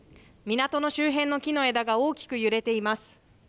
港の周辺の木の枝が大きく揺れています。